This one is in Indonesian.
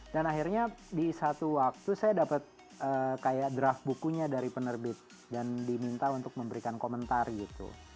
dan akhirnya di satu waktu saya dapat kayak draft bukunya dari penerbit dan diminta untuk memberikan komentar gitu